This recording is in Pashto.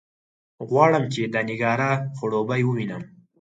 غواړم چې د نېګارا ځړوبی ووینم.